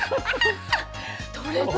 取れた。